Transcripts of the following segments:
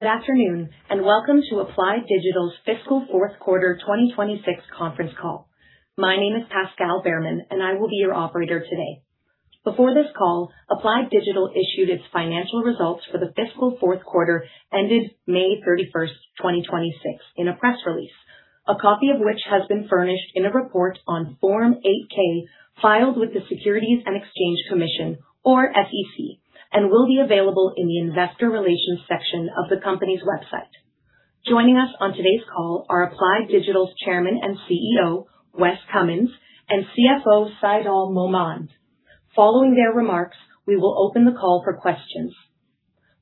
Good afternoon. Welcome to Applied Digital's fiscal fourth quarter 2026 conference call. My name is Pascal Bearman, and I will be your operator today. Before this call, Applied Digital issued its financial results for the fiscal fourth quarter ended May 31st, 2026, in a press release. A copy of which has been furnished in a report on Form 8-K filed with the Securities and Exchange Commission, or SEC, and will be available in the investor relations section of the company's website. Joining us on today's call are Applied Digital's Chairman and Chief Executive Officer, Wes Cummins, and Chief Financial Officer, Saidal Mohmand. Following their remarks, we will open the call for questions.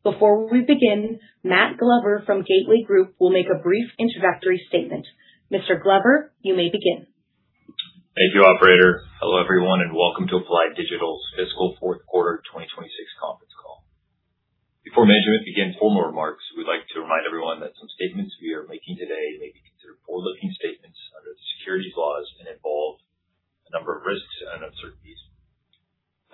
Before we begin, Matt Glover from Gateway Group will make a brief introductory statement. Mr. Glover, you may begin. Thank you, operator. Hello, everyone. Welcome to Applied Digital's fiscal fourth quarter 2026 conference call. Before management begins formal remarks, we'd like to remind everyone that some statements we are making today may be considered forward-looking statements under the securities laws and involve a number of risks and uncertainties.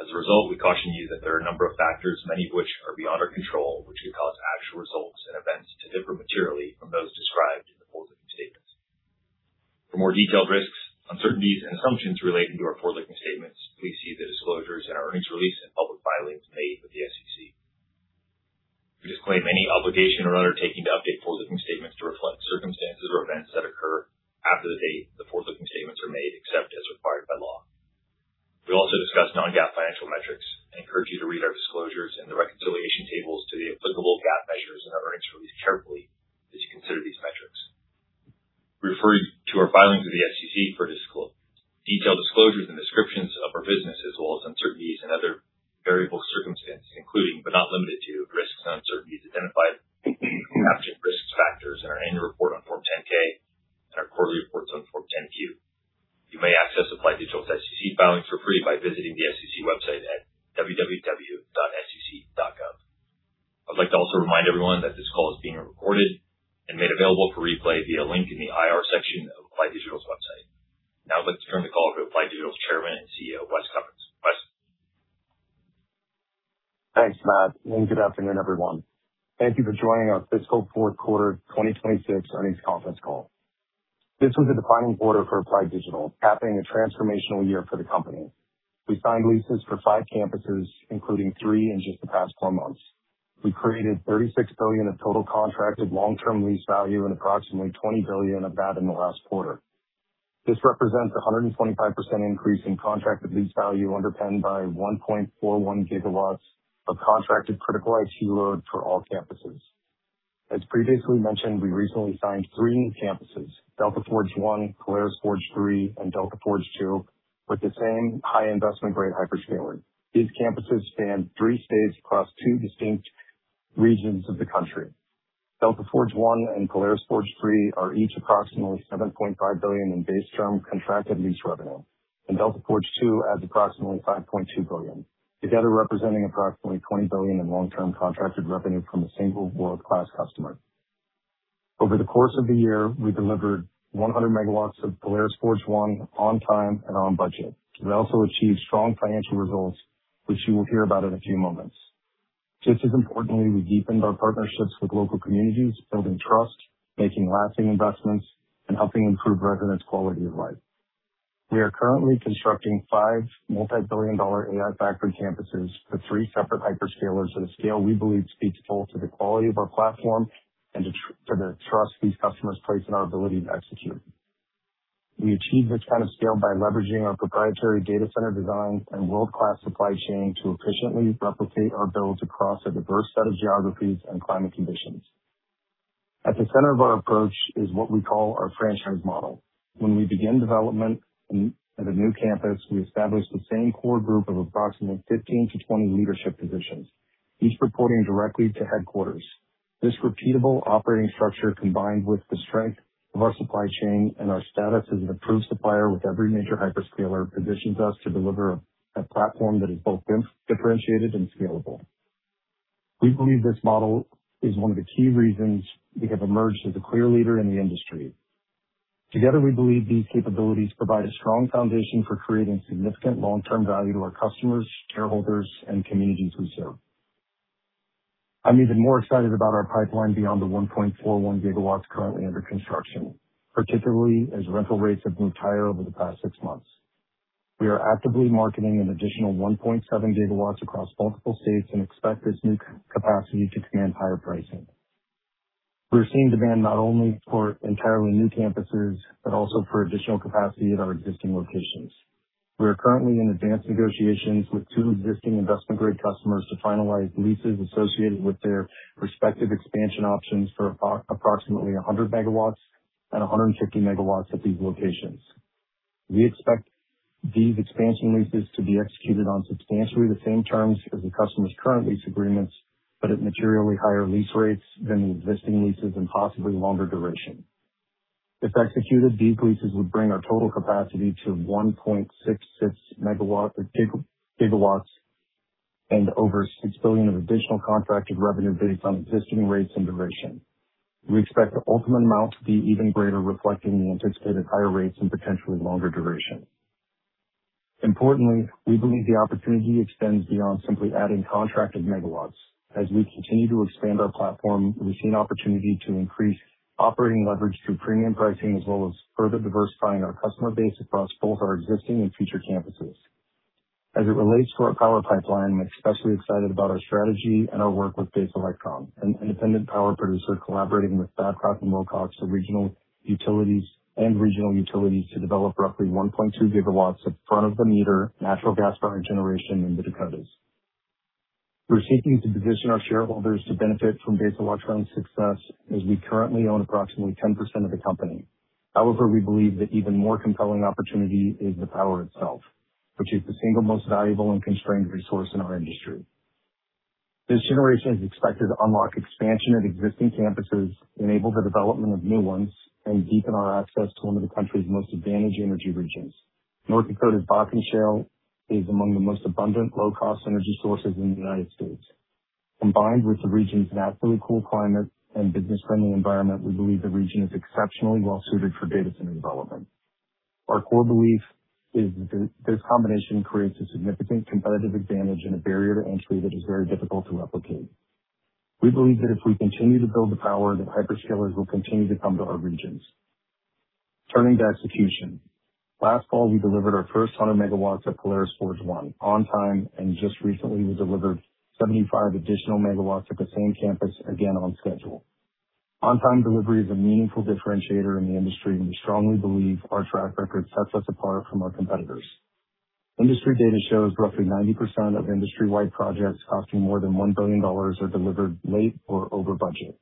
As a result, we caution you that there are a number of factors, many of which are beyond our control, which could cause actual results and events to differ materially from those described in the forward-looking statements. For more detailed risks, uncertainties, and assumptions relating to our forward-looking statements, please see the disclosures in our earnings release and public filings made with the SEC. We disclaim any obligation or undertaking to update forward-looking statements to reflect circumstances or events that occur after the date the forward-looking statements are made, except as required by law. We also discuss Non-GAAP financial metrics and encourage you to read our disclosures in the reconciliation tables to the applicable GAAP measures in our earnings release carefully as you consider these metrics. Refer to our filings with the SEC for detailed disclosures and descriptions of our business as well as uncertainties and other variable circumstances, including but not limited to, risks and uncertainties identified in the management risks factors in our annual report on Form 10-K and our quarterly reports on Form 10-Q. You may access Applied Digital's SEC filings for free by visiting the SEC website at www.sec.gov. I'd like to also remind everyone that this call is being recorded and made available for replay via link in the IR section of Applied Digital's website. Now I'd like to turn the call to Applied Digital's Chairman and Chief Executive Officer, Wes Cummins. Wes? Thanks, Matt. Good afternoon, everyone. Thank you for joining our fiscal fourth quarter 2026 earnings conference call. This was a defining quarter for Applied Digital, capping a transformational year for the company. We signed leases for five campuses, including three in just the past four months. We created $36 billion of total contracted long-term lease value and approximately $20 billion of that in the last quarter. This represents 125% increase in contracted lease value, underpinned by 1.41 GW of contracted critical IT load for all campuses. As previously mentioned, we recently signed three new campuses, Delta Forge 1, Polaris Forge 3, and Delta Forge 2, with the same high investment-grade hyperscaler. These campuses span three states across two distinct regions of the country. Delta Forge 1 and Polaris Forge 3 are each approximately $7.5 billion in base term contracted lease revenue, and Delta Forge 2 adds approximately $5.2 billion. Together representing approximately $20 billion in long-term contracted revenue from a single world-class customer. Over the course of the year, we delivered 100 MW of Polaris Forge 1 on time and on budget. We also achieved strong financial results, which you will hear about in a few moments. Just as importantly, we deepened our partnerships with local communities, building trust, making lasting investments, and helping improve residents' quality of life. We are currently constructing five multi-billion dollar AI factory campuses for three separate hyperscalers at a scale we believe speaks both to the quality of our platform and to the trust these customers place in our ability to execute. We achieve this kind of scale by leveraging our proprietary data center designs and world-class supply chain to efficiently replicate our builds across a diverse set of geographies and climate conditions. At the center of our approach is what we call our franchise model. When we begin development at a new campus, we establish the same core group of approximately 15 to 20 leadership positions, each reporting directly to headquarters. This repeatable operating structure, combined with the strength of our supply chain and our status as an approved supplier with every major hyperscaler, positions us to deliver a platform that is both differentiated and scalable. We believe this model is one of the key reasons we have emerged as a clear leader in the industry. Together, we believe these capabilities provide a strong foundation for creating significant long-term value to our customers, shareholders, and communities we serve. I'm even more excited about our pipeline beyond the 1.41 GW currently under construction, particularly as rental rates have moved higher over the past six months. We are actively marketing an additional 1.7 GW across multiple states and expect this new capacity to command higher pricing. We're seeing demand not only for entirely new campuses, but also for additional capacity at our existing locations. We are currently in advanced negotiations with two existing investment-grade customers to finalize leases associated with their respective expansion options for approximately 100 MW and 150 MW at these locations. We expect these expansion leases to be executed on substantially the same terms as the customer's current lease agreements, but at materially higher lease rates than the existing leases and possibly longer duration. If executed, these leases would bring our total capacity to 1.66 GW and over $6 billion of additional contracted revenue based on existing rates and duration. We expect the ultimate amount to be even greater, reflecting the anticipated higher rates and potentially longer duration. Importantly, we believe the opportunity extends beyond simply adding contracted megawatts. As we continue to expand our platform, we see an opportunity to increase operating leverage through premium pricing, as well as further diversifying our customer base across both our existing and future campuses. As it relates to our power pipeline, I'm especially excited about our strategy and our work with Base Electron, an independent power producer collaborating with Babcock & Wilcox, the regional utilities, and regional utilities to develop roughly 1.2 GW of front-of-the-meter natural gas-fired generation in the Dakotas. We're seeking to position our shareholders to benefit from Base Electron's success, as we currently own approximately 10% of the company. We believe that even more compelling opportunity is the power itself, which is the single most valuable and constrained resource in our industry. This generation is expected to unlock expansion at existing campuses, enable the development of new ones, and deepen our access to one of the country's most advantaged energy regions. North Dakota's Bakken Shale is among the most abundant, low-cost energy sources in the United States. Combined with the region's naturally cool climate and business-friendly environment, we believe the region is exceptionally well-suited for data center development. Our core belief is that this combination creates a significant competitive advantage and a barrier to entry that is very difficult to replicate. We believe that if we continue to build the power, the hyperscalers will continue to come to our regions. Turning to execution. Last fall, we delivered our first 100 MW at Polaris Forge 1 on time, just recently we delivered 75 additional megawatts at the same campus, again on schedule. On-time delivery is a meaningful differentiator in the industry, and we strongly believe our track record sets us apart from our competitors. Industry data shows roughly 90% of industry-wide projects costing more than $1 billion are delivered late or over budget.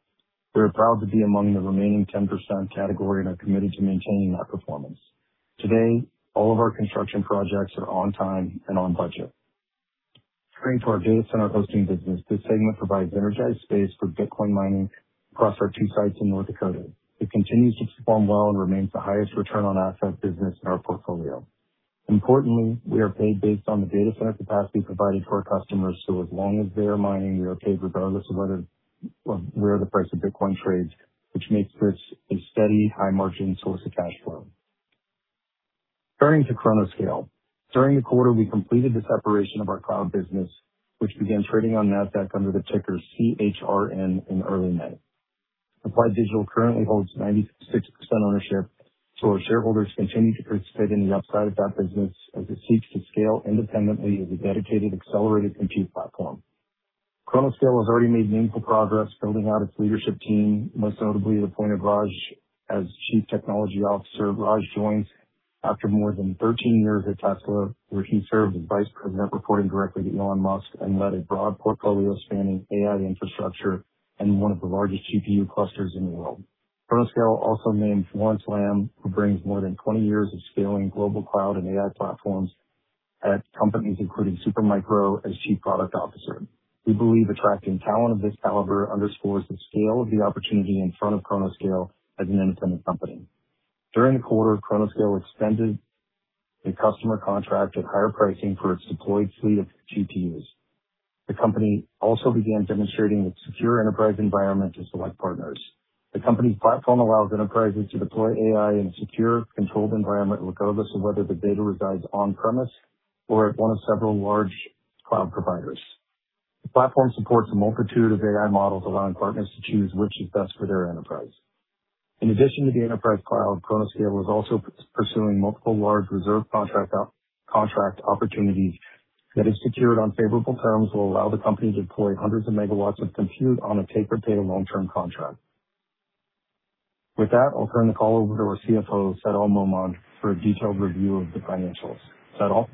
We are proud to be among the remaining 10% category and are committed to maintaining that performance. Today, all of our construction projects are on time and on budget. Turning to our data center hosting business. This segment provides energized space for Bitcoin mining across our two sites in North Dakota. It continues to perform well and remains the highest return on asset business in our portfolio. Importantly, we are paid based on the data center capacity provided to our customers, so as long as they are mining, we are paid regardless of where the price of Bitcoin trades, which makes this a steady, high margin source of cash flow. Turning to ChronoScale. During the quarter, we completed the separation of our cloud business, which began trading on Nasdaq under the ticker CHRN in early May. Applied Digital currently holds 96% ownership, our shareholders continue to participate in the upside of that business as it seeks to scale independently as a dedicated, accelerated compute platform. ChronoScale has already made meaningful progress building out its leadership team, most notably the appointment of Raj as Chief Technology Officer. Raj joins after more than 13 years at Tesla, where he served as vice president, reporting directly to Elon Musk, and led a broad portfolio spanning AI infrastructure and one of the largest GPU clusters in the world. ChronoScale also named Lawrence Lam, who brings more than 20 years of scaling global cloud and AI platforms at companies including Supermicro, as Chief Product Officer. We believe attracting talent of this caliber underscores the scale of the opportunity in front of ChronoScale as an independent company. During the quarter, ChronoScale extended a customer contract at higher pricing for its deployed fleet of GPUs. The company also began demonstrating its secure enterprise environment to select partners. The company's platform allows enterprises to deploy AI in a secure, controlled environment, regardless of whether the data resides on-premise or at one of several large cloud providers. The platform supports a multitude of AI models, allowing partners to choose which is best for their enterprise. In addition to the enterprise cloud, ChronoScale is also pursuing multiple large reserve contract opportunities that, if secured on favorable terms, will allow the company to deploy hundreds of megawatts of compute on a take-or-pay long-term contract. With that, I'll turn the call over to our Chief Financial Officer, Saidal Mohmand, for a detailed review of the financials. Saidal?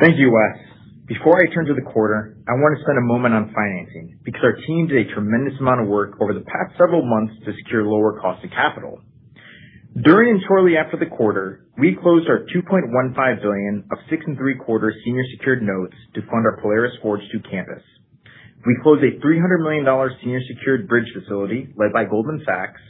Thank you, Wes. Before I turn to the quarter, I want to spend a moment on financing because our team did a tremendous amount of work over the past several months to secure lower cost of capital. During and shortly after the quarter, we closed our $2.15 billion of 6.75% senior secured notes to fund our Polaris Forge 2 campus. We closed a $300 million senior secured bridge facility led by Goldman Sachs.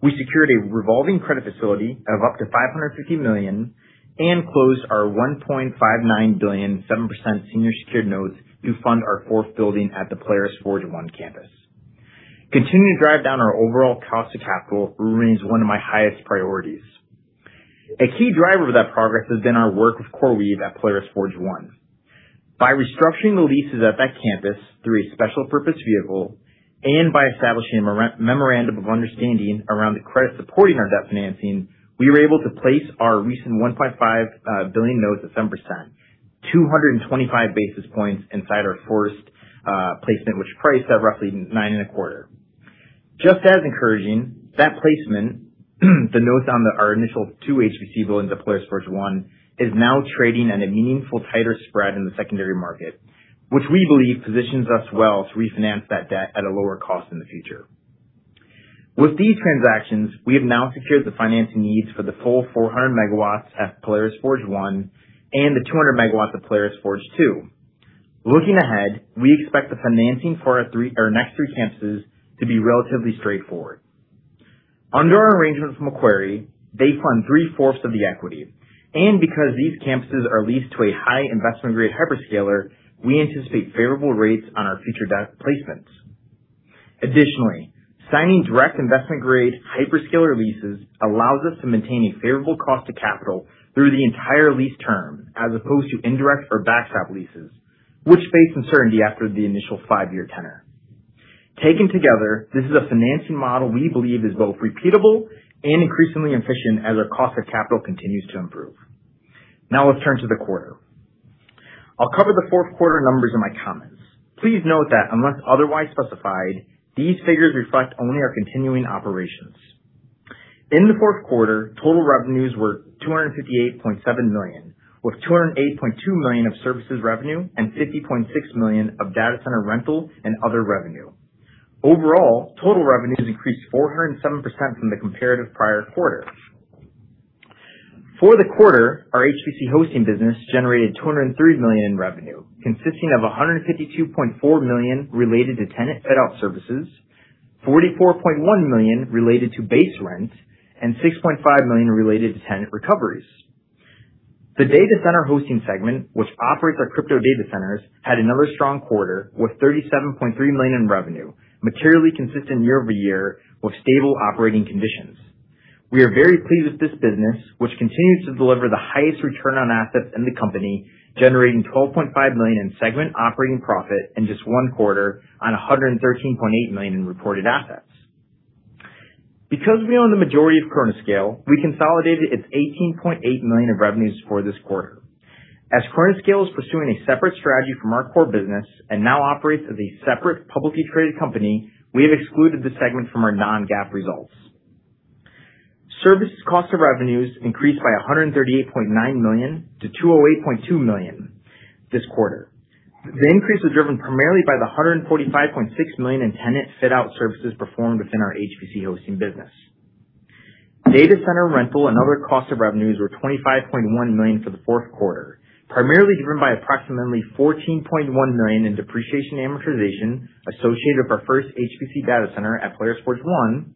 We secured a revolving credit facility of up to $550 million, and closed our $1.59 billion, 7% senior secured notes to fund our fourth building at the Polaris Forge 1 campus. Continuing to drive down our overall cost of capital remains one of my highest priorities. A key driver of that progress has been our work with CoreWeave at Polaris Forge 1. By restructuring the leases at that campus through a special purpose vehicle and by establishing a memorandum of understanding around the credit supporting our debt financing, we were able to place our recent $1.5 billion notes at 7%, 225 basis points inside our first placement, which priced at roughly 9.25%. Just as encouraging, that placement, the notes on our initial two HPC build into Polaris Forge 1, is now trading at a meaningful tighter spread in the secondary market, which we believe positions us well to refinance that debt at a lower cost in the future. With these transactions, we have now secured the financing needs for the full 400 MW at Polaris Forge 1 and the 200 MW of Polaris Forge 2. Looking ahead, we expect the financing for our next three campuses to be relatively straightforward. Under our arrangement from Macquarie, they fund three-fourths of the equity. Because these campuses are leased to a high investment-grade hyperscaler, we anticipate favorable rates on our future debt placements. Additionally, signing direct investment-grade hyperscaler leases allows us to maintain a favorable cost of capital through the entire lease term as opposed to indirect or backstop leases, which face uncertainty after the initial five-year tenure. Taken together, this is a financing model we believe is both repeatable and increasingly efficient as our cost of capital continues to improve. Let's turn to the quarter. I'll cover the fourth quarter numbers in my comments. Please note that unless otherwise specified, these figures reflect only our continuing operations. In the fourth quarter, total revenues were $258.7 million, with $208.2 million of services revenue and $50.6 million of data center rental and other revenue. Overall, total revenues increased 407% from the comparative prior quarter. For the quarter, our HPC hosting business generated $203 million in revenue, consisting of $152.4 million related to tenant fit-out services, $44.1 million related to base rent and $6.5 million related to tenant recoveries. The data center hosting segment, which operates our crypto data centers, had another strong quarter with $37.3 million in revenue, materially consistent year-over-year with stable operating conditions. We are very pleased with this business, which continues to deliver the highest return on assets in the company, generating $12.5 million in segment operating profit in just one quarter on $113.8 million in reported assets. Because we own the majority of ChronoScale, we consolidated its $18.8 million of revenues for this quarter. As ChronoScale is pursuing a separate strategy from our core business and now operates as a separate publicly traded company, we have excluded the segment from our Non-GAAP results. Services cost of revenues increased by $138.9 million-$208.2 million this quarter. The increase was driven primarily by the $145.6 million in tenant fit-out services performed within our HPC hosting business. Data center rental and other cost of revenues were $25.1 million for the fourth quarter, primarily driven by approximately $14.1 million in depreciation amortization associated with our first HPC data center at Polaris Forge 1,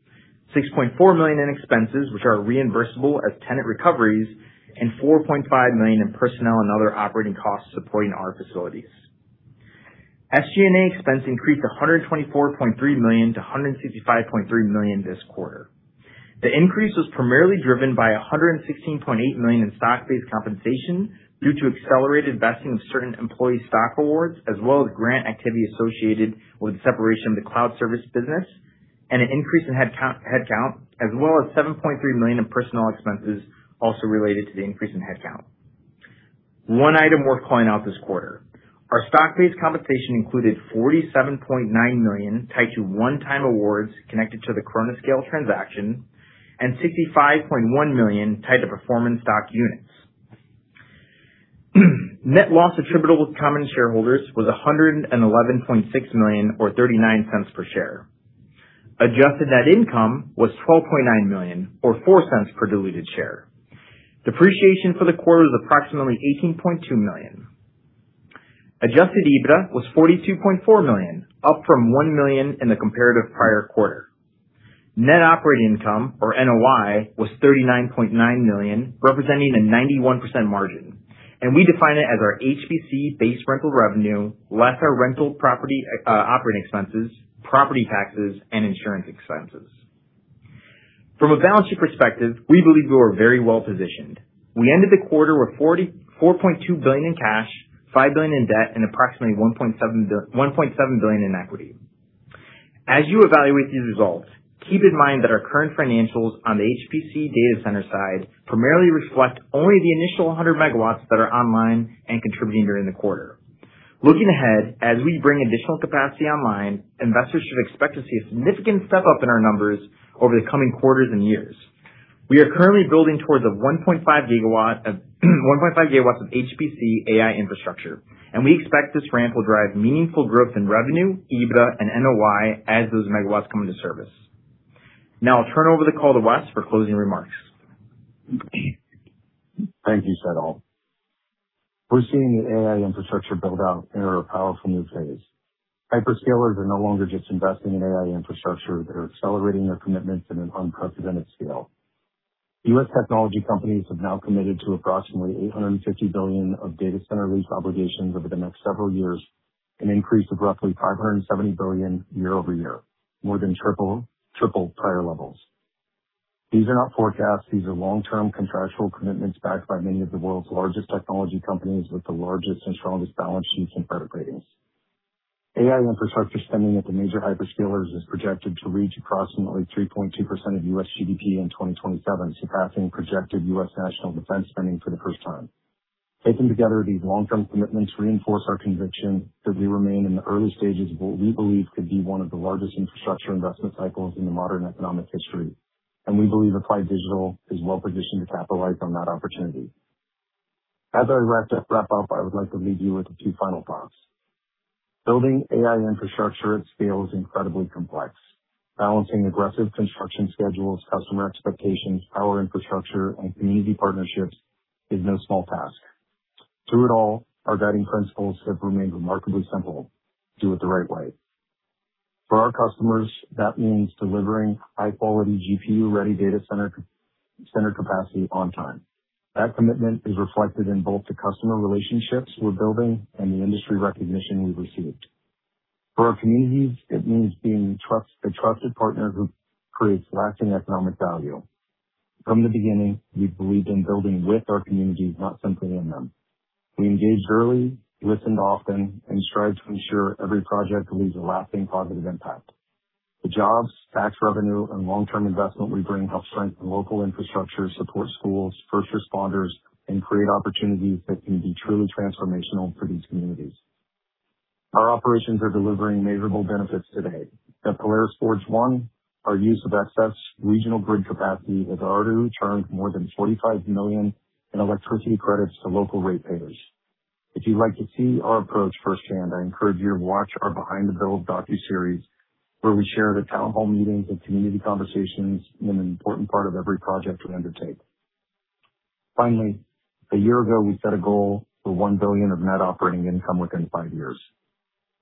$6.4 million in expenses, which are reimbursable as tenant recoveries, and $4.5 million in personnel and other operating costs supporting our facilities. SG&A expense increased $124.3 million-$165.3 million this quarter. The increase was primarily driven by $116.8 million in stock-based compensation due to accelerated vesting of certain employee stock awards, as well as grant activity associated with separation of the cloud service business, and an increase in headcount, as well as $7.3 million in personnel expenses also related to the increase in headcount. One item worth calling out this quarter. Our stock-based compensation included $47.9 million tied to one-time awards connected to the ChronoScale transaction and $65.1 million tied to performance stock units. Net loss attributable to common shareholders was $111.6 million or $0.39 per share. Adjusted net income was $12.9 million or $0.04 per diluted share. Depreciation for the quarter was approximately $18.2 million. Adjusted EBITDA was $42.4 million, up from $1 million in the comparative prior quarter. Net operating income, or NOI, was $39.9 million, representing a 91% margin. We define it as our HPC base rental revenue, less our rental operating expenses, property taxes, and insurance expenses. From a balance sheet perspective, we believe we are very well positioned. We ended the quarter with $4.2 billion in cash, $5 billion in debt, and approximately $1.7 billion in equity. As you evaluate these results, keep in mind that our current financials on the HPC data center side primarily reflect only the initial 100 MW that are online and contributing during the quarter. Looking ahead, as we bring additional capacity online, investors should expect to see a significant step-up in our numbers over the coming quarters and years. We are currently building towards a 1.5 GW of HPC AI infrastructure. We expect this ramp will drive meaningful growth in revenue, EBITDA, and NOI as those megawatts come into service. Now I'll turn over the call to Wes for closing remarks. Thank you, Saidal. We're seeing the AI infrastructure build-out enter a powerful new phase. Hyperscalers are no longer just investing in AI infrastructure. They're accelerating their commitments in an unprecedented scale. U.S. technology companies have now committed to approximately $850 billion of data center lease obligations over the next several years, an increase of roughly $570 billion year-over-year, more than triple prior levels. These are not forecasts. These are long-term contractual commitments backed by many of the world's largest technology companies with the largest and strongest balance sheets and credit ratings. AI infrastructure spending at the major hyperscalers is projected to reach approximately 3.2% of U.S. GDP in 2027, surpassing projected U.S. national defense spending for the first time. Taken together, these long-term commitments reinforce our conviction that we remain in the early stages of what we believe could be one of the largest infrastructure investment cycles in the modern economic history. We believe Applied Digital is well positioned to capitalize on that opportunity. As I wrap up, I would like to leave you with a few final thoughts. Building AI infrastructure at scale is incredibly complex. Balancing aggressive construction schedules, customer expectations, power infrastructure, and community partnerships is no small task. Through it all, our guiding principles have remained remarkably simple. Do it the right way. For our customers, that means delivering high-quality GPU-ready data center capacity on time. That commitment is reflected in both the customer relationships we're building and the industry recognition we've received. For our communities, it means being a trusted partner who creates lasting economic value. From the beginning, we've believed in building with our communities, not simply in them. We engaged early, listened often, and strived to ensure every project leaves a lasting positive impact. The jobs, tax revenue, and long-term investment we bring help strengthen local infrastructure, support schools, first responders, and create opportunities that can be truly transformational for these communities. Our operations are delivering measurable benefits today. At Polaris Forge 1, our use of excess regional grid capacity has already returned more than $45 million in electricity credits to local ratepayers. If you'd like to see our approach firsthand, I encourage you to watch our Behind the Build docuseries, where we share the town hall meetings and community conversations, an important part of every project we undertake. Finally, a year ago, we set a goal for $1 billion of net operating income within five years.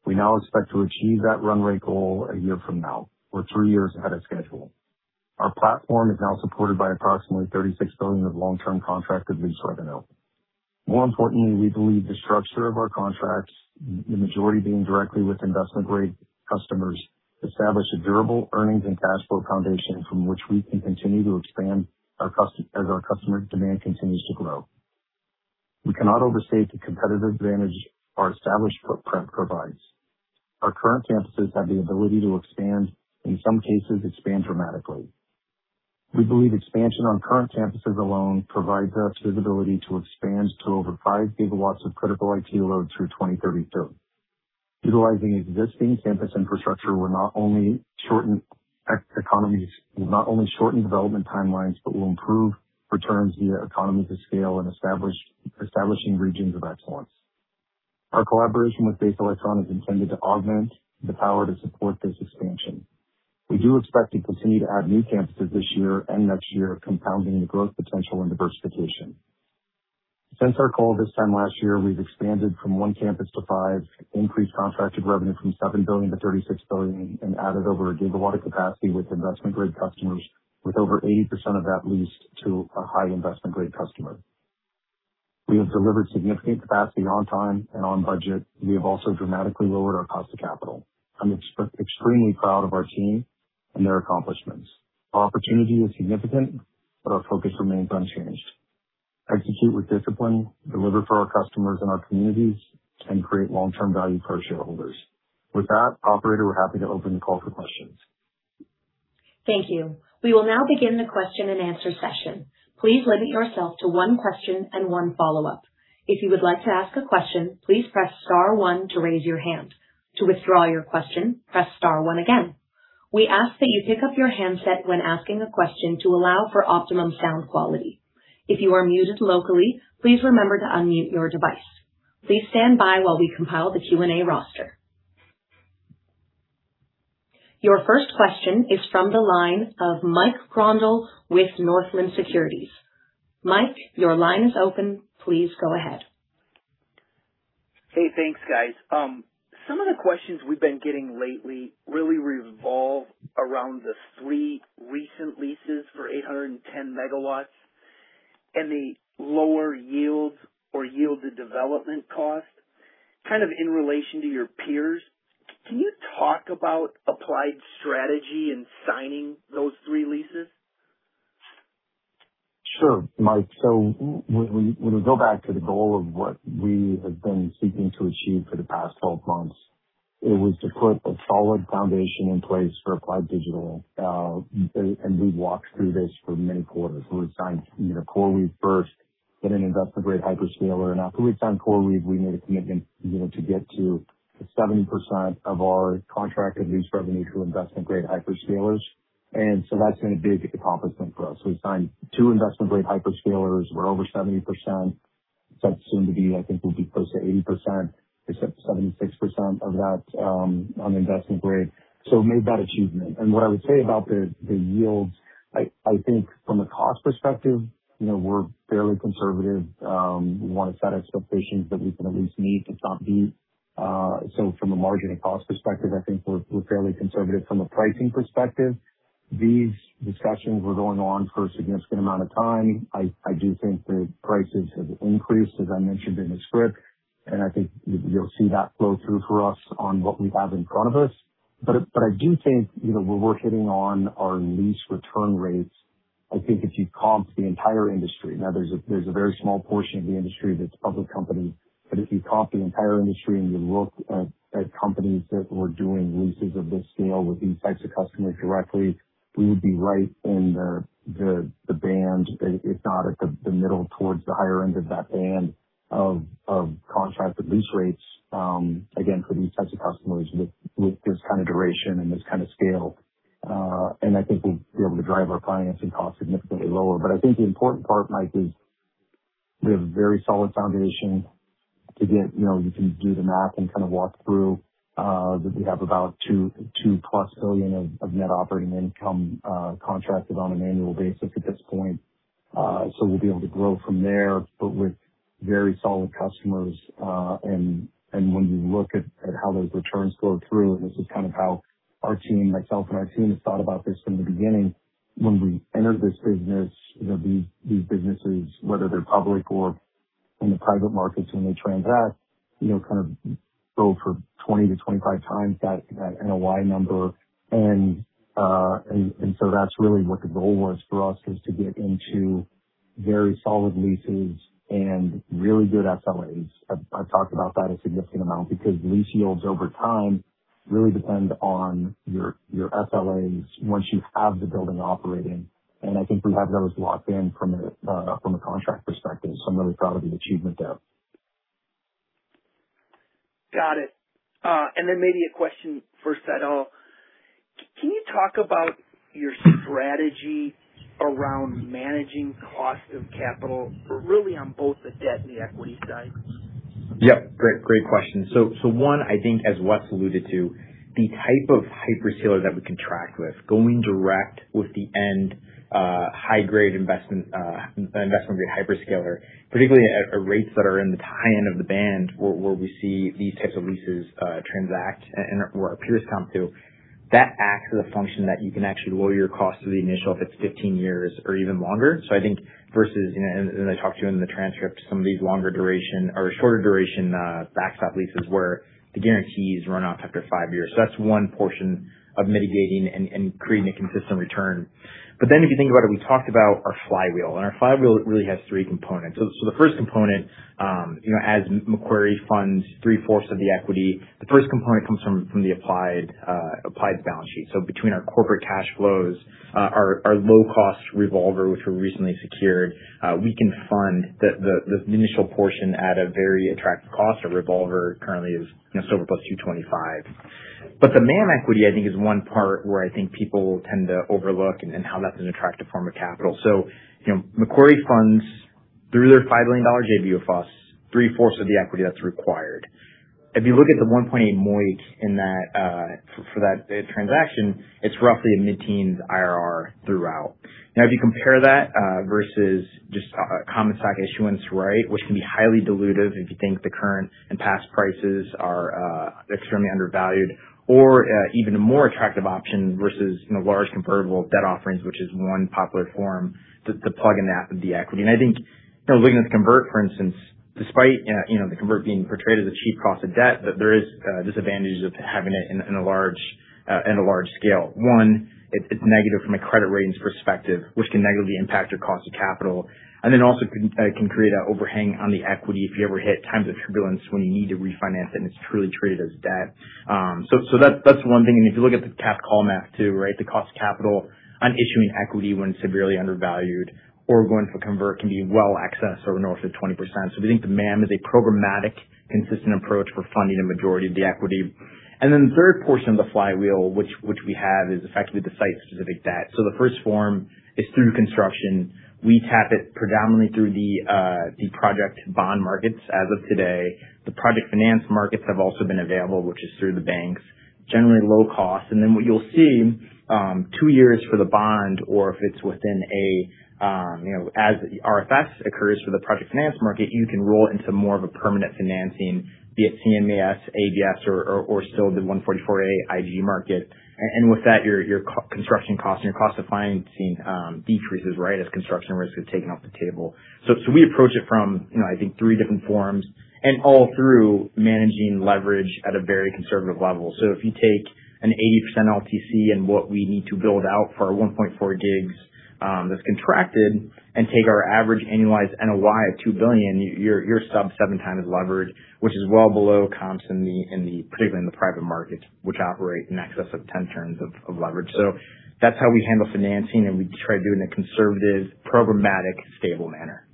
We now expect to achieve that run rate goal a year from now. We're three years ahead of schedule. Our platform is now supported by approximately $36 billion of long-term contracted lease revenue. More importantly, we believe the structure of our contracts, the majority being directly with investment-grade customers, establish a durable earnings and cash flow foundation from which we can continue to expand as our customer demand continues to grow. We cannot overstate the competitive advantage our established footprint provides. Our current campuses have the ability to expand, in some cases, expand dramatically. We believe expansion on current campuses alone provides us visibility to expand to over five gigawatts of critical IT load through 2032. Utilizing existing campus infrastructure will not only shorten development timelines, but will improve returns via economies of scale and establishing regions of excellence. Our collaboration with Base Electron is intended to augment the power to support this expansion. We do expect to continue to add new campuses this year and next year, compounding the growth potential and diversification. Since our call this time last year, we've expanded from one campus to five, increased contracted revenue from $7 billion-$36 billion, and added over a gigawatt of capacity with investment-grade customers, with over 80% of that leased to a high investment-grade customer. We have delivered significant capacity on time and on budget. We have also dramatically lowered our cost of capital. I'm extremely proud of our team and their accomplishments. Our opportunity is significant, but our focus remains unchanged. Execute with discipline, deliver for our customers and our communities, and create long-term value for our shareholders. With that, operator, we're happy to open the call for questions. Thank you. We will now begin the question-and-answer session. Please limit yourself to one question and one follow-up. If you would like to ask a question, please press star one to raise your hand. To withdraw your question, press star one again. We ask that you pick up your handset when asking a question to allow for optimum sound quality. If you are muted locally, please remember to unmute your device. Please stand by while we compile the question-and-answer roster. Your first question is from the line of Mike Grondahl with Northland Securities. Mike, your line is open. Please go ahead. Hey, thanks, guys. Some of the questions we've been getting lately really revolve around the three recent leases for 810 MW and the lower yield or yielded development cost, kind of in relation to your peers. Can you talk about Applied's strategy in signing those three leases? Sure, Mike. When we go back to the goal of what we have been seeking to achieve for the past 12 months, it was to put a solid foundation in place for Applied Digital. We've walked through this for many quarters. We signed CoreWeave first, then an investment-grade hyperscaler. After we'd signed CoreWeave, we made a commitment to get to 70% of our contracted lease revenue through investment-grade hyperscalers. That's been a big accomplishment for us. We signed two investment-grade hyperscalers. We're over 70%. That's soon to be, I think, we'll be close to 80%, it's at 76% of that on investment grade. Made that achievement. What I would say about the yields, I think from a cost perspective, we're fairly conservative. We want to set expectations that we can at least meet, if not beat. From a margin and cost perspective, I think we're fairly conservative from a pricing perspective. These discussions were going on for a significant amount of time. I do think the prices have increased, as I mentioned in the script, I think you'll see that flow through for us on what we have in front of us. I do think where we're hitting on our lease return rates, I think if you comp the entire industry, now there's a very small portion of the industry that's public company, if you comp the entire industry and you look at companies that were doing leases of this scale with these types of customers directly, we would be right in the band, if not at the middle towards the higher end of that band of contracted lease rates, again, for these types of customers with this kind of duration and this kind of scale. I think we'll be able to drive our financing costs significantly lower. I think the important part, Mike, is we have a very solid foundation. You can do the math and kind of walk through, that we have about two plus billion of net operating income contracted on an annual basis at this point. We'll be able to grow from there. With very solid customers. When we look at how those returns go through, and this is how myself and our team have thought about this from the beginning, when we enter this business, these businesses, whether they're public or in the private markets, when they transact, go for 20x-25x that NOI number. That's really what the goal was for us, is to get into very solid leases and really good SLAs. I've talked about that a significant amount because lease yields over time really depend on your SLAs once you have the building operating. I think we have those locked in from a contract perspective. I'm really proud of the achievement there. Got it. Maybe a question for Saidal. Can you talk about your strategy around managing cost of capital, really on both the debt and the equity side? Yep. Great question. One, I think as Wes alluded to, the type of hyperscaler that we contract with, going direct with the end investment grade hyperscaler, particularly at rates that are in the high end of the band where we see these types of leases transact and/or our peers come through, that acts as a function that you can actually lower your cost to the initial if it's 15 years or even longer. I think versus, and I talked to in the transcript, some of these shorter duration backstop leases where the guarantees run off after five years. That's one portion of mitigating and creating a consistent return. If you think about it, we talked about our flywheel, our flywheel really has three components. The first component, as Macquarie funds three-fourths of the equity, the first component comes from the Applied balance sheet. Between our corporate cash flows, our low-cost revolver which we recently secured, we can fund the initial portion at a very attractive cost. Our revolver currently is SOFR plus 225 basis points. The MAM equity, I think, is one part where I think people tend to overlook and how that's an attractive form of capital. Macquarie funds through their $5 million JBOF us, three-fourths of the equity that's required. If you look at the 1.8x MOIC for that transaction, it's roughly a mid-teens IRR throughout. If you compare that versus just common stock issuance rate, which can be highly dilutive if you think the current and past prices are extremely undervalued or even a more attractive option versus large convertible debt offerings, which is one popular form to plug in the equity. I think looking at convert, for instance, despite the convert being portrayed as a cheap cost of debt, there is disadvantages of having it in a large scale. One, it's negative from a credit ratings perspective, which can negatively impact your cost of capital and then also can create an overhang on the equity if you ever hit times of turbulence when you need to refinance it and it's truly treated as debt. That's one thing. If you look at the cap call math too, right? The cost of capital on issuing equity when severely undervalued or going for convert can be well excess or north of 20%. We think the MAM is a programmatic, consistent approach for funding a majority of the equity. The third portion of the flywheel which we have is effectively the site-specific debt. The first form is through construction. We tap it predominantly through the project bond markets as of today. The project finance markets have also been available, which is through the banks, generally low cost. Then what you'll see, two years for the bond or as RFS occurs for the project finance market, you can roll into more of a permanent financing via CMBS, ABS or still the 144A IG market. With that, your construction cost and your cost of financing decreases, right, as construction risk is taken off the table. We approach it from I think three different forms and all through managing leverage at a very conservative level. If you take an 80% LTC and what we need to build out for our 1.4 GW that's contracted and take our average annualized NOI of $2 billion, you're sub-7x leverage, which is well below comps particularly in the private markets, which operate in excess of 10 terms of leverage. That's how we handle financing, and we try to do it in a conservative, programmatic, stable manner.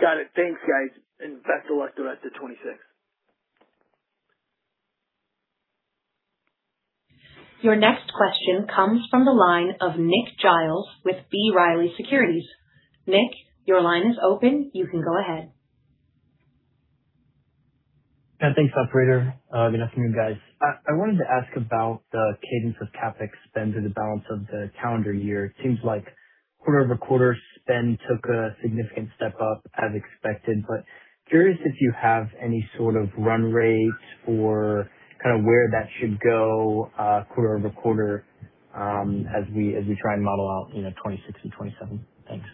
Got it. Thanks, guys, and best of luck to fiscal year 2026. Your next question comes from the line of Nick Giles with B. Riley Securities. Nick, your line is open. You can go ahead. Yeah, thanks, operator. Good afternoon, guys. I wanted to ask about the cadence of CapEx spend through the balance of the calendar year. It seems like quarter-over-quarter spend took a significant step up as expected, curious if you have any sort of run rates for where that should go quarter-over-quarter as we try and model out 2026 and 2027. Thanks.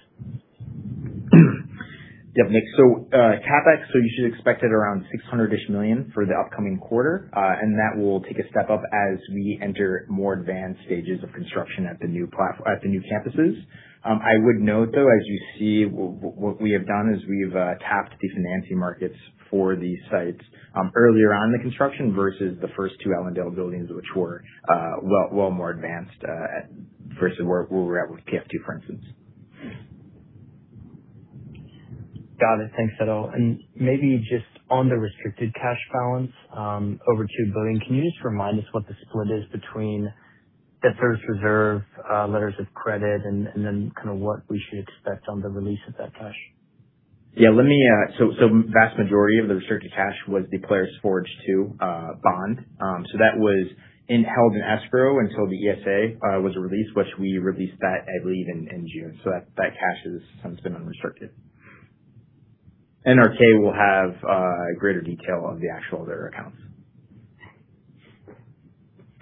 Yeah, Nick. CapEx, so you should expect it around $600 million-ish for the upcoming quarter. That will take a step up as we enter more advanced stages of construction at the new campuses. I would note though, as you see, what we have done is we've tapped the financing markets for these sites earlier on in the construction versus the first two Ellendale buildings which were well more advanced versus where we're at with PF2, for instance. Got it. Thanks, Saidal. Maybe just on the restricted cash balance, over $2 billion, can you just remind us what the split is between deferred reserve, letters of credit, and then what we should expect on the release of that cash? Yeah. Vast majority of the restricted cash was the Polaris Forge 2 bond. That was held in escrow until the ESA was released, which we released that, I believe, in June. That cash has since been unrestricted. In our 10-K we will have greater detail on the actual of their accounts.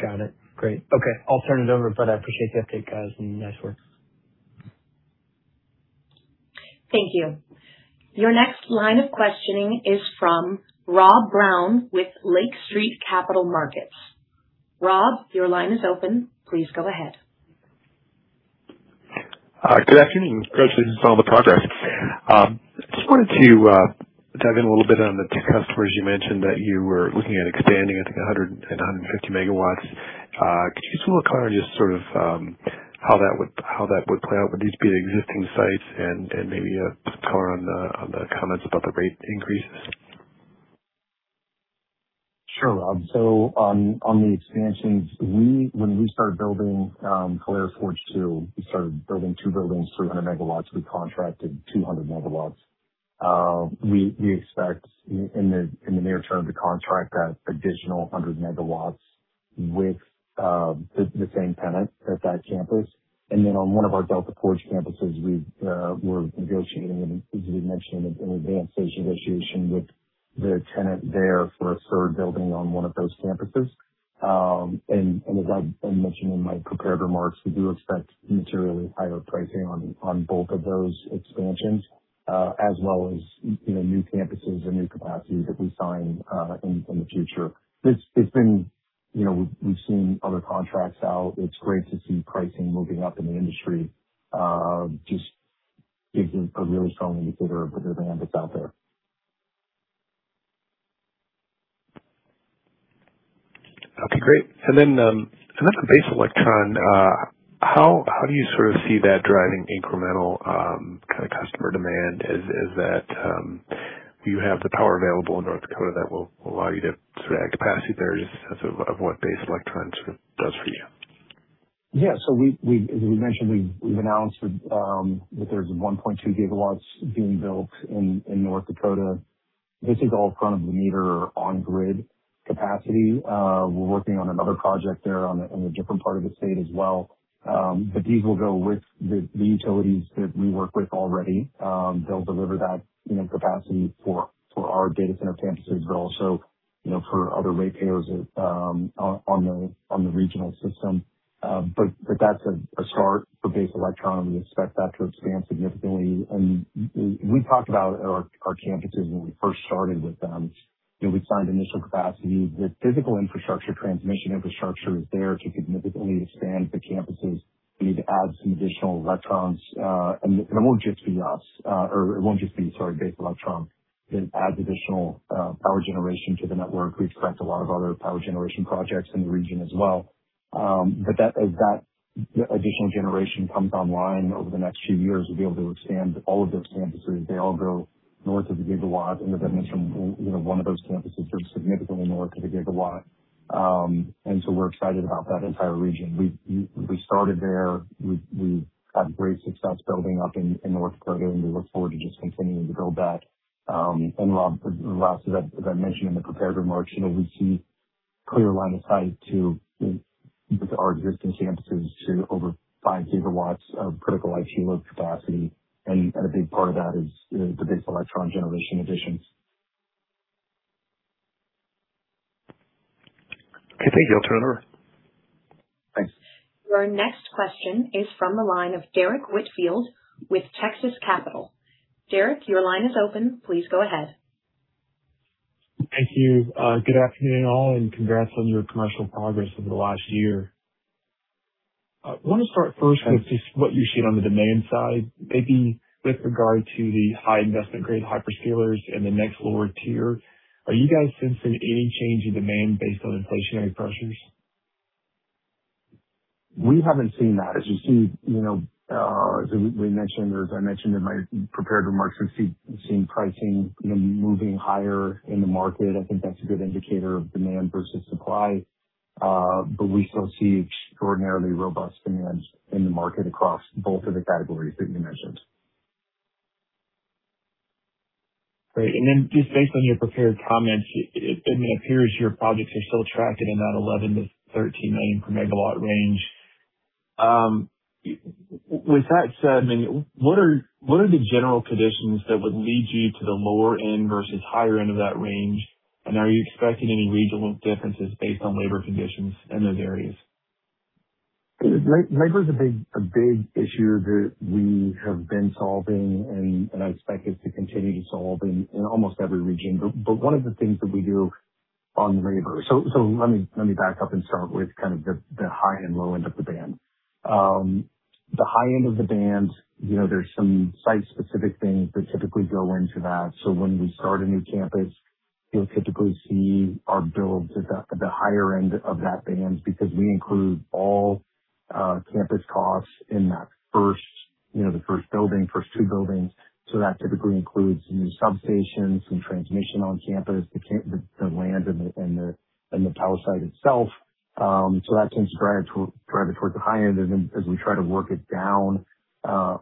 Got it. Great. Okay, I'll turn it over, but I appreciate the update, guys, and nice work. Thank you. Your next line of questioning is from Rob Brown with Lake Street Capital Markets. Rob, your line is open. Please go ahead. Good afternoon. Congrats on all the progress. Just wanted to dive in a little bit on the customers you mentioned that you were looking at expanding, I think, 100 MW and 150 MW. Could you just a little color on just how that would play out? Would these be the existing sites and maybe put color on the comments about the rate increases? Sure, Rob. On the expansions, when we started building Polaris Forge 2, we started building two buildings, 300 MW. We contracted 200 MW. We expect in the near term to contract that additional 100 MW with the same tenant at that campus. On one of our Delta Forge campuses, we're negotiating, as we mentioned, an advanced stage negotiation with the tenant there for a third building on one of those campuses. As I mentioned in my prepared remarks, we do expect materially higher pricing on both of those expansions, as well as new campuses and new capacity that we sign in the future. We've seen other contracts out. It's great to see pricing moving up in the industry. Just gives a really strong indicator of where demand is out there. Okay, great. On the Base Electron, how do you see that driving incremental customer demand as that you have the power available in North Dakota that will allow you to capacity there just of what Base Electron does for you? Yeah. As we mentioned, we've announced that there's 1.2 GW being built in North Dakota. This is all front-of-the-meter on-grid capacity. We're working on another project there in a different part of the state as well. These will go with the utilities that we work with already. They'll deliver that capacity for our data center campuses, but also for other retailers on the regional system. That's a start for Base Electron. We expect that to expand significantly. We talked about our campuses when we first started with them. We signed initial capacity. The physical infrastructure, transmission infrastructure is there to significantly expand the campuses. We need to add some additional electrons. It won't just be us, or it won't just be, sorry, Base Electron that adds additional power generation to the network. We expect a lot of other power generation projects in the region as well. As that additional generation comes online over the next few years, we'll be able to expand all of those campuses. They all go north of a gigawatt. As I mentioned, one of those campuses goes significantly north of a gigawatt. We're excited about that entire region. We started there. We've had great success building up in North Dakota, we look forward to just continuing to build that. Rob, last, as I mentioned in the prepared remarks, we see clear line of sight to our existing campuses to over 5 GW of critical IT load capacity. A big part of that is the Base Electron generation additions. Okay. Thank you. I'll turn it over. Thanks. Your next question is from the line of Derrick Whitfield with Texas Capital. Derrick, your line is open. Please go ahead. Thank you. Good afternoon, all, congrats on your commercial progress over the last year. I want to start first with just what you're seeing on the demand side, maybe with regard to the high investment-grade hyperscalers and the next lower tier. Are you guys sensing any change in demand based on inflationary pressures? We haven't seen that. As I mentioned in my prepared remarks, we're seeing pricing moving higher in the market. I think that's a good indicator of demand versus supply. We still see extraordinarily robust demand in the market across both of the categories that you mentioned. Great. Just based on your prepared comments, it appears your projects are still tracking in that $11 million-$13 million per megawatt range. With that said, what are the general conditions that would lead you to the lower end versus higher end of that range? Are you expecting any regional differences based on labor conditions in those areas? Labor is a big issue that we have been solving, and I expect us to continue to solve in almost every region. One of the things that we do on labor. Let me back up and start with the high and low end of the band. The high end of the band, there's some site-specific things that typically go into that. When we start a new campus, you'll typically see our builds at the higher end of that band because we include all campus costs in the first building, first two buildings. That typically includes new substations and transmission on campus, the land, and the power site itself. That tends to drive it towards the high end as we try to work it down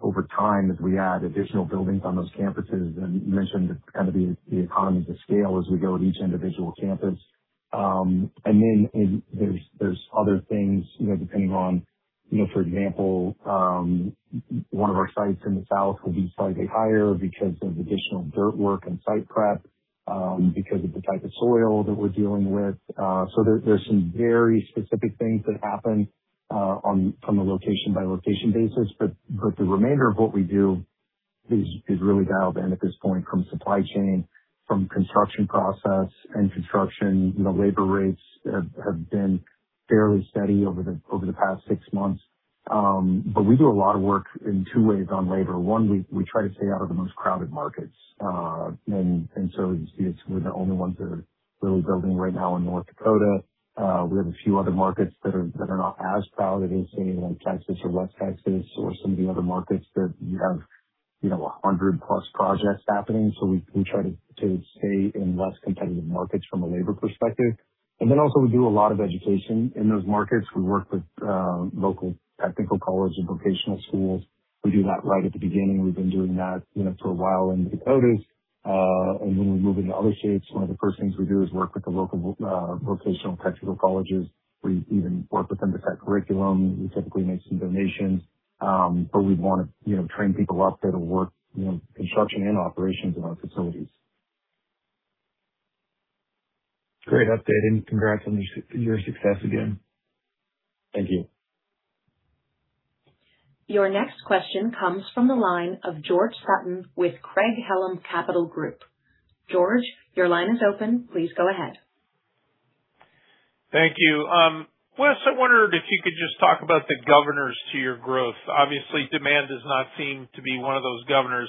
over time as we add additional buildings on those campuses. You mentioned the economy to scale as we go at each individual campus. There's other things, depending on, for example, one of our sites in the south will be slightly higher because of additional dirt work and site prep because of the type of soil that we're dealing with. There's some very specific things that happen from a location-by-location basis. The remainder of what we do is really dialed in at this point from supply chain, from construction process and construction. Labor rates have been fairly steady over the past six months. We do a lot of work in two ways on labor. One, we try to stay out of the most crowded markets. You see it's, we're the only ones that are really building right now in North Dakota. We have a few other markets that are not as crowded as say like Texas or West Texas or some of the other markets that you have 100+ projects happening. We try to stay in less competitive markets from a labor perspective. We do a lot of education in those markets. We work with local technical college and vocational schools. We do that right at the beginning. We've been doing that for a while in the Dakotas. When we move into other states, one of the first things we do is work with the local vocational technical colleges. We even work with them to set curriculum. We typically make some donations, but we want to train people up that'll work construction and operations in our facilities. Great update, and congrats on your success again. Thank you. Your next question comes from the line of George Sutton with Craig-Hallum Capital Group. George, your line is open. Please go ahead. Thank you. Wes, I wondered if you could just talk about the governors to your growth. Obviously, demand does not seem to be one of those governors,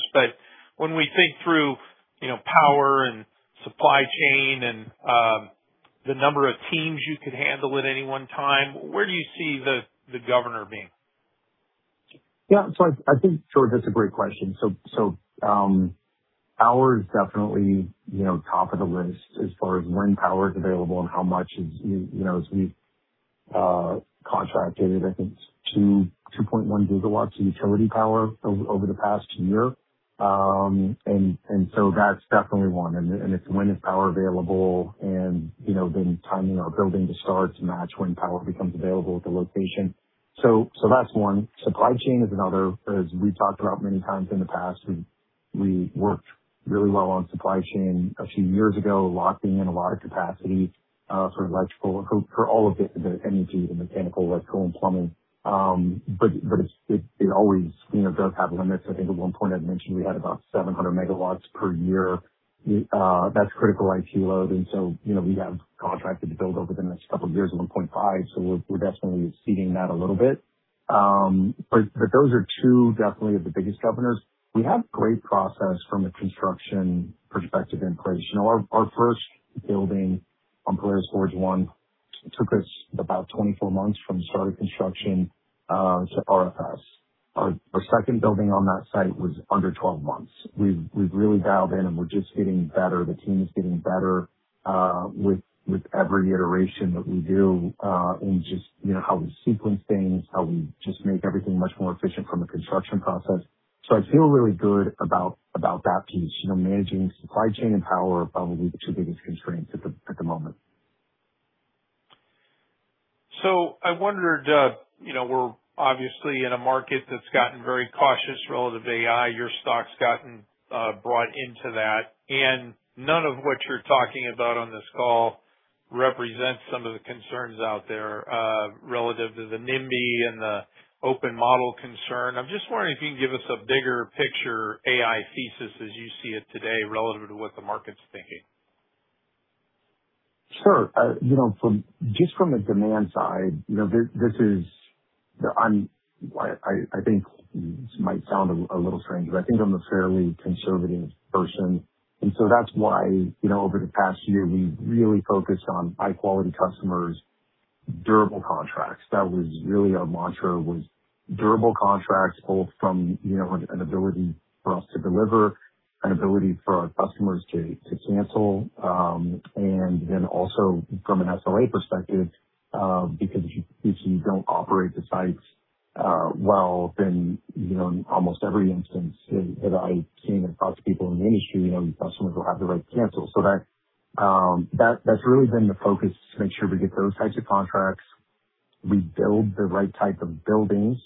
when we think through power and supply chain and the number of teams you could handle at any one time, where do you see the governor being? Yeah. I think, George, that's a great question. Power is definitely top of the list as far as when power is available and how much is as we've contracted, I think it's 2.1 GW of utility power over the past year. That's definitely one. It's when is power available and then timing our building to start to match when power becomes available at the location. That's one. Supply chain is another. As we've talked about many times in the past, we worked really well on supply chain a few years ago, locking in a large capacity, for electrical, for all of the energy, the mechanical, electrical, and plumbing. It always does have limits. I think at one point I'd mentioned we had about 700 MW per year. That's critical IT load. We have contracted to build over the next couple of years, 1.5 GW. We're definitely exceeding that a little bit. Those are two definitely of the biggest governors. We have great process from a construction perspective and pace. Our first building on Polaris Forge 1 took us about 24 months from the start of construction to RFS. Our second building on that site was under 12 months. We've really dialed in, and we're just getting better. The team is getting better, with every iteration that we do, in just how we sequence things, how we just make everything much more efficient from a construction process. I feel really good about that piece. Managing supply chain and power are probably the two biggest constraints at the moment. I wondered, we're obviously in a market that's gotten very cautious relative to AI. Your stock's gotten brought into that, and none of what you're talking about on this call represents some of the concerns out there, relative to the NIMBY and the open model concern. I'm just wondering if you can give us a bigger picture AI thesis as you see it today relative to what the market's thinking. Sure. Just from the demand side, I think this might sound a little strange, but I think I'm a fairly conservative person, that's why, over the past year, we've really focused on high-quality customers, durable contracts. That was really our mantra, was durable contracts, both from an ability for us to deliver, an ability for our customers to cancel, and then also from an SLA perspective, because if you don't operate the sites well, then almost every instance that I've seen across people in the industry, your customers will have the right to cancel. That's really been the focus, to make sure we get those types of contracts. We build the right type of buildings.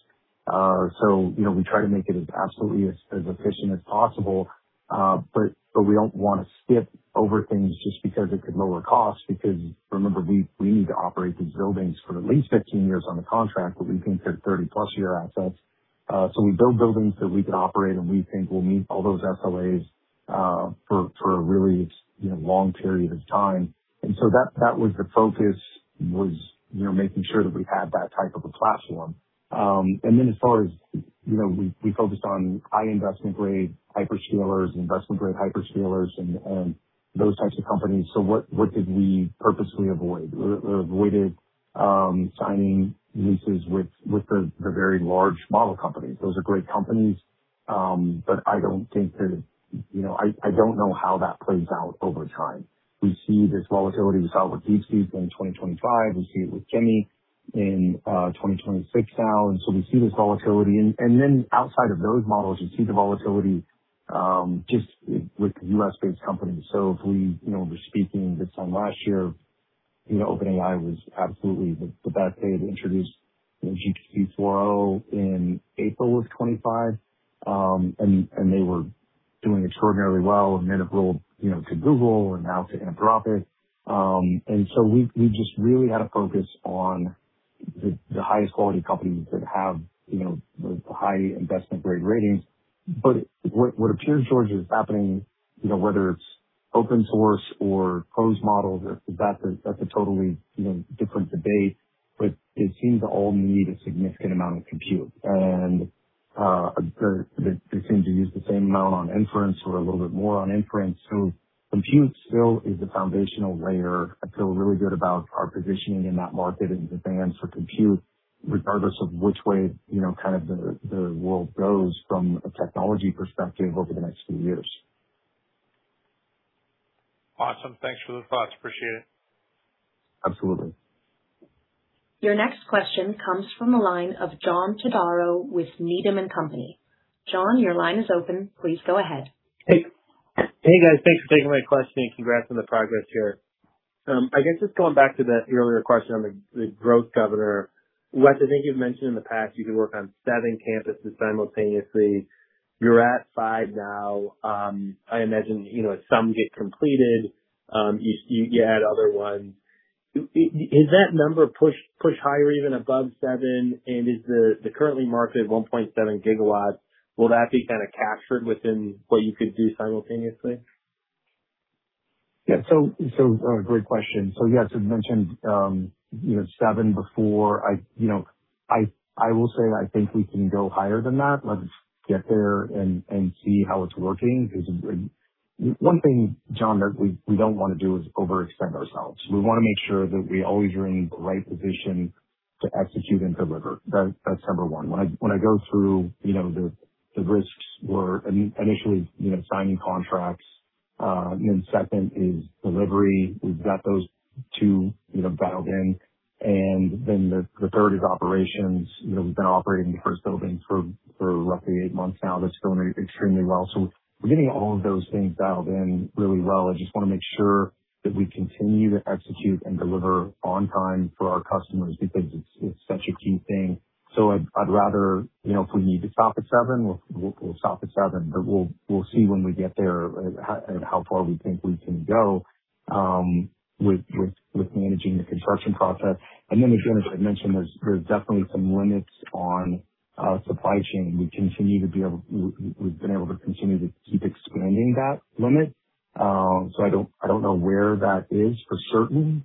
We try to make it as absolutely as efficient as possible. We don't want to skip over things just because it could lower costs because remember, we need to operate these buildings for at least 15 years on the contract, but we think they're 30+ year assets. We build buildings that we can operate, and we think will meet all those SLAs for a really long period of time. That was the focus was making sure that we had that type of a platform. As far as we focused on high investment grade hyperscalers, investment grade hyperscalers, and those types of companies. What did we purposely avoid? We avoided signing leases with the very large model companies. Those are great companies, but I don't know how that plays out over time. We see this volatility. We saw it with DeepSpeed in 2025. We see it with Gemini in 2026 now. We see this volatility. Outside of those models, we see the volatility Just with U.S.-based companies. If we were speaking this time last year, OpenAI was absolutely the best. They had introduced GPT-4o in April of 2025, and they were doing extraordinarily well, then it rolled to Google and now to Anthropic. We just really had a focus on the highest quality companies that have the high investment-grade ratings. What appears, George, is happening, whether it's open source or closed models, that's a totally different debate, but they seem to all need a significant amount of compute. They seem to use the same amount on inference or a little bit more on inference. Compute still is the foundational layer. I feel really good about our positioning in that market and the demand for compute, regardless of which way the world goes from a technology perspective over the next few years. Awesome. Thanks for the thoughts. Appreciate it. Absolutely. Your next question comes from the line of John Todaro with Needham & Company. John, your line is open. Please go ahead. Hey. Hey, guys. Thanks for taking my question and congrats on the progress here. I guess just going back to the earlier question on the growth governor. Wes, I think you've mentioned in the past you could work on seven campuses simultaneously. You're at five now. I imagine, as some get completed, you add other ones. Is that number pushed higher even above seven? Is the currently marketed 1.7 GW, will that be kind of captured within what you could do simultaneously? Yeah. Great question. Yes, as mentioned, seven before. I will say, I think we can go higher than that. Let's get there and see how it's working. One thing, John, that we don't want to do is overextend ourselves. We want to make sure that we always are in the right position to execute and deliver. That's number one. When I go through the risks were initially signing contracts, then second is delivery. We've got those two dialed in, and then the third is operations. We've been operating the first building for roughly eight months now. That's going extremely well. We're getting all of those things dialed in really well. I just want to make sure that we continue to execute and deliver on time for our customers because it's such a key thing. I'd rather, if we need to stop at seven, we'll stop at seven. We'll see when we get there and how far we think we can go with managing the construction process. As had mentioned, there's definitely some limits on supply chain. We've been able to continue to keep expanding that limit. I don't know where that is for certain.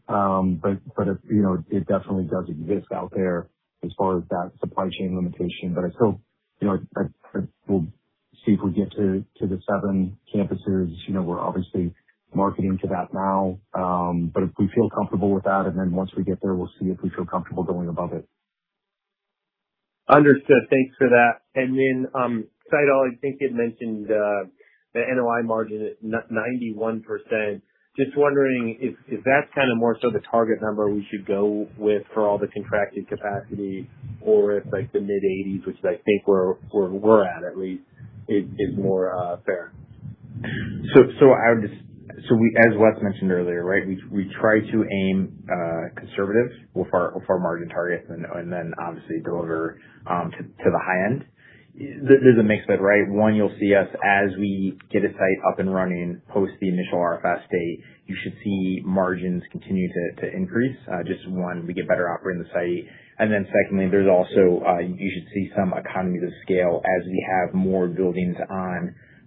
It definitely does exist out there as far as that supply chain limitation. I still think we'll see if we get to the seven campuses. We're obviously marketing to that now. If we feel comfortable with that, and then once we get there, we'll see if we feel comfortable going above it. Understood. Thanks for that. Saidal, I think you'd mentioned the NOI margin at 91%. Just wondering if that's kind of more so the target number we should go with for all the contracted capacity or if like the mid-80s, which I think we're at least, is more fair. As Wes mentioned earlier, right? We try to aim conservative with our margin targets and then obviously deliver to the high end. There's a mix of, right? One, you'll see us as we get a site up and running post the initial RFS date, you should see margins continue to increase. Just one, we get better operating the site. Secondly, there's also, you should see some economies of scale as we have more buildings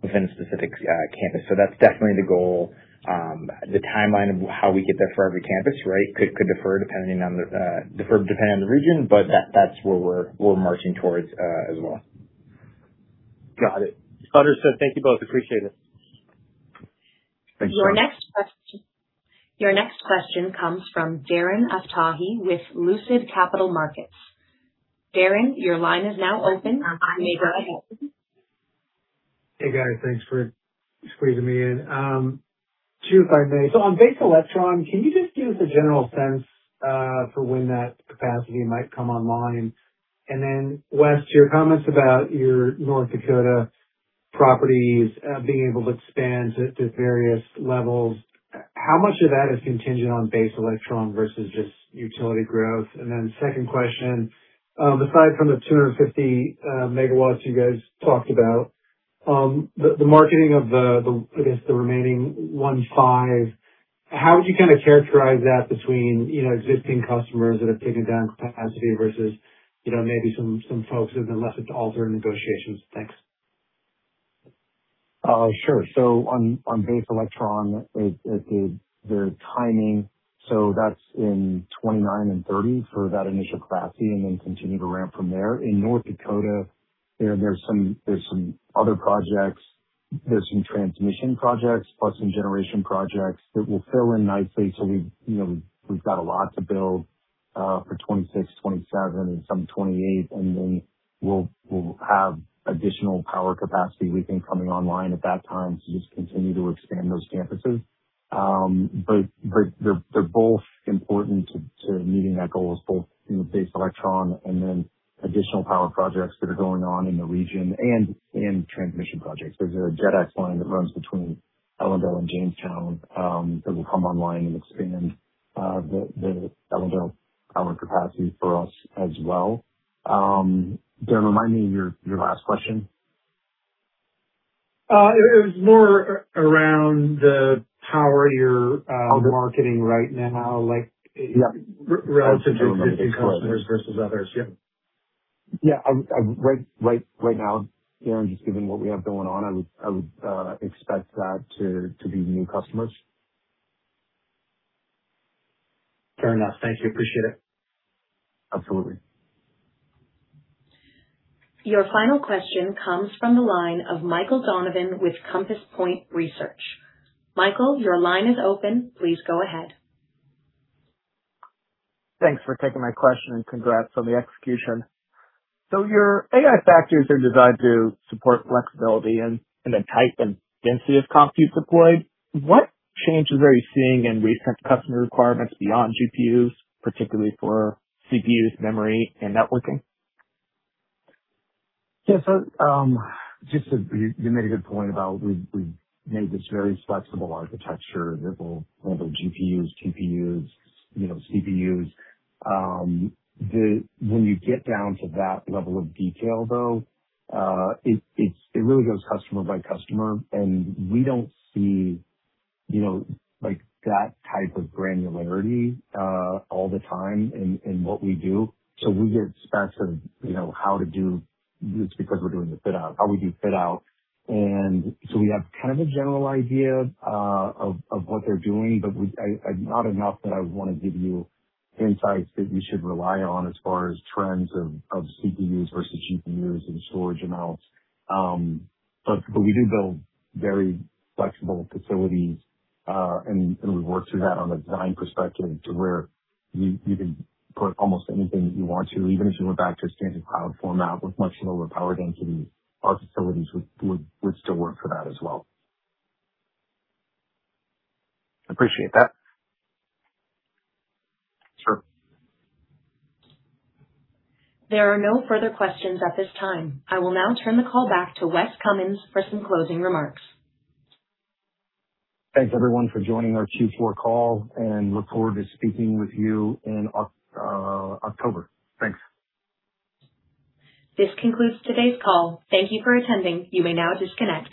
within a specific campus. That's definitely the goal. The timeline of how we get there for every campus, right, could differ depending on the region, but that's where we're marching towards as well. Got it. Understood. Thank you both. Appreciate it. Thank you. Your next question comes from Darren Aftahi with Lucid Capital Markets. Darren, your line is now open. You may go ahead. Hey, guys. Thanks for squeezing me in. Two, if I may. On Base Electron, can you just give us a general sense for when that capacity might come online? Then Wes, your comments about your North Dakota properties being able to expand to various levels, how much of that is contingent on Base Electron versus just utility growth? Then second question, besides from the 250 MW you guys talked about, the marketing of the, I guess, the remaining 1.5 GW, how would you kind of characterize that between existing customers that have taken down capacity versus maybe some folks who have been left up to alter negotiations? Thanks. Sure. On Base Electron, the timing, that's in 2029 and 2030 for that initial capacity and then continue to ramp from there. In North Dakota, there's some other projects, there's some transmission projects plus some generation projects that will fill in nicely. We've got a lot to build for 2026, 2027 and some 2028. Then we'll have additional power capacity we think coming online at that time to just continue to expand those campuses. They're both important to meeting that goal, both Base Electron and then additional power projects that are going on in the region and transmission projects. There's a JETx line that runs between Ellendale and Jamestown that will come online and expand the Ellendale power capacity for us as well. Darren, remind me of your last question. It was more around the power you're marketing right now, like relatively to new customers versus others. Yeah. Yeah. Right now, Darren, just given what we have going on, I would expect that to be new customers. Fair enough. Thank you. Appreciate it. Absolutely. Your final question comes from the line of Michael Donovan with Compass Point Research. Michael, your line is open. Please go ahead. Thanks for taking my question, and congrats on the execution. Your AI factories are designed to support flexibility in the type and density of compute deployed. What changes are you seeing in recent customer requirements beyond GPUs, particularly for CPUs, memory, and networking? Yeah. You made a good point about we've made this very flexible architecture that will handle GPUs, TPUs, CPUs. When you get down to that level of detail, though, it really goes customer by customer, and we don't see that type of granularity all the time in what we do. We get specs of how to do this because we're doing the fit out, how we do fit out. We have kind of a general idea of what they're doing, but not enough that I would want to give you insights that you should rely on as far as trends of CPUs versus GPUs and storage amounts. We do build very flexible facilities, and we work through that on a design perspective to where you can put almost anything that you want to, even if you went back to a standard cloud format with much lower power density, our facilities would still work for that as well. Appreciate that. Sure. There are no further questions at this time. I will now turn the call back to Wes Cummins for some closing remarks. Thanks, everyone, for joining our Q4 call, look forward to speaking with you in October. Thanks. This concludes today's call. Thank you for attending. You may now disconnect.